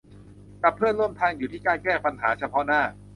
กับเพื่อนร่วมทางอยู่ที่การแก้ปัญหาเฉพาะหน้า